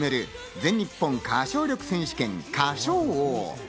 全日本歌唱力選手権『歌唱王』。